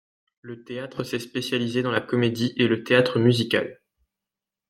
Le théâtre s'est spécialisé dans la comédie et le théâtre musical.